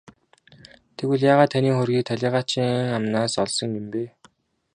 Тэгвэл яагаад таны хөрөгийг талийгаачийн амнаас олсон юм бэ?